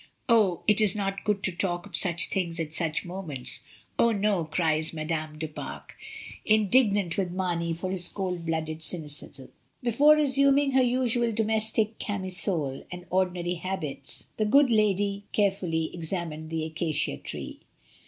"Oh! It is not good to talk of such things at such moments. Oh, no," cries Madame du Pare, 144 MRS. DYMOND. indignant with Marney for his cold blooded cyni cism. Before resuming her usual domestic camisole and ordinary habits, the good lady carefully ex amined the acacia tree.